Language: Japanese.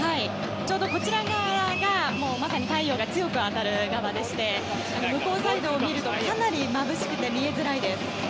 ちょうどこちら側がまさに太陽が強く当たる側でして向こうサイドを見るとかなりまぶしくて見えづらいです。